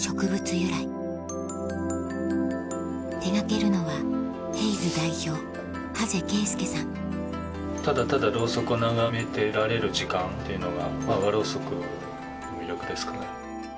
由来手がけるのはただただろうそくを眺めてられる時間っていうのが和ろうそくの魅力ですかね。